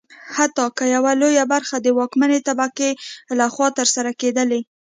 حتی که یوه لویه برخه د واکمنې طبقې لخوا ترلاسه کېدلی.